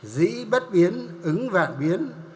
dĩ bất biến ứng vạn biến